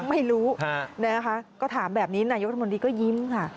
ไม่รู้นะคะก็ถามแบบนี้นายกรัฐมนตรีก็ยิ้มค่ะ